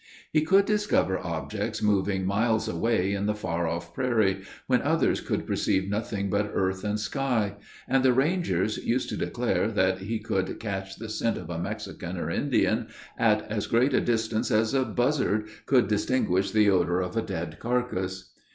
He could discover objects moving miles away in the far off prairie, when others could perceive nothing but earth and sky; and the rangers used to declare that he could catch the scent of a Mexican or Indian at as great a distance as a buzzard could distinguish the odor of a dead carcass.